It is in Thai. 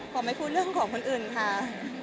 ขอไม่พูดเรื่องของคนอื่นค่ะ